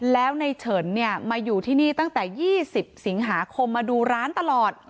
แล้วในเฉินเนี่ยมาอยู่ที่นี่ตั้งแต่๒๐สิงหาคมมาดูร้านตลอด